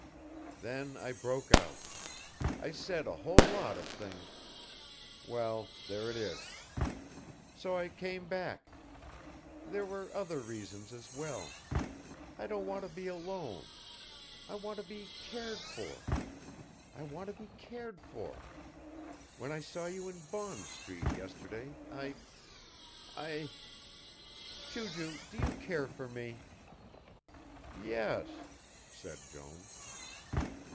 Then I broke out. I said a whole lot of things well, there it is. So I came back there were other reasons as well. I don't want to be alone. I want to be cared for I want to be cared for when I saw you in Bond Street, yesterday I I I Ju Ju, do you care for me?" "Yes," said Jones.